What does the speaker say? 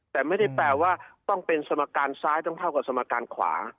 แต่ไม่ได้แปลว่าต้องเป็นสมการซ้ายต้องเท่ากับสมการขวา